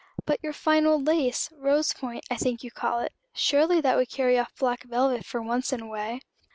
"But your fine old lace rose point, I think you call it surely that would carry off black velvet for once in a way."